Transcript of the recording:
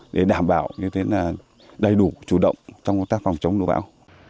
để đảm bảo như thế là đầy đủ chủ động trong công tác phòng chống lũ bão